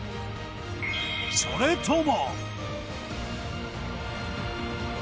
それとも。